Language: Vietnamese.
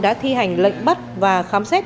đã thi hành lệnh bắt và khám xét